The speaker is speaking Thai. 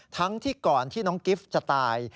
ทั้งที่ก่อนที่น้องกิฟต์จะตาย